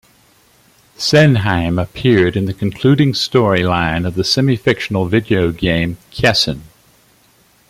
Senhime appeared in the concluding storyline of the semi-fictional video game Kessen.